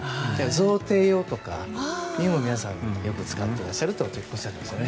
贈呈用とかっていうのにも皆さんよく使っていらっしゃるとおっしゃっていましたね。